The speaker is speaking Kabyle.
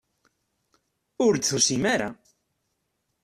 Ur d-tusim ara.